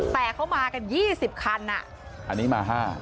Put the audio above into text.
แต่เขามากันยี่สิบคันอ่ะอันนี้มาห้า